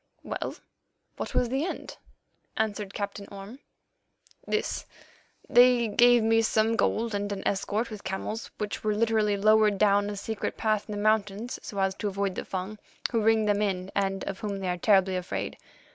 '" "Well, what was the end?" asked Captain Orme. "This: They gave me some gold and an escort with camels which were literally lowered down a secret path in the mountains so as to avoid the Fung, who ring them in and of whom they are terribly afraid.